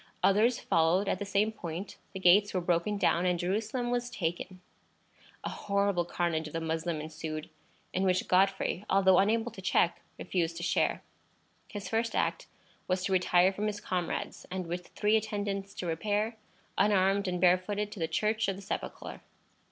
Others followed at the same point; the gates were broken down, and Jerusalem was taken. A horrible carnage of the Moslem ensued, in which Godfrey, although unable to check, refused to share. His first act was to retire from his comrades, and with three attendants to repair, unarmed and barefooted, to the Church of the Sepulchre.